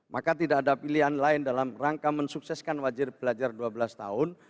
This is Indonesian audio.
maka tidak ada pilihan lain dalam rangka mensukseskan wajib belajar dua belas tahun